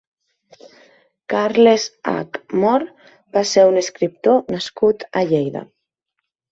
Carles Hac Mor va ser un escriptor nascut a Lleida.